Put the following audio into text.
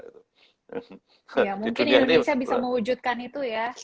ya mungkin indonesia bisa mewujudkan itu ya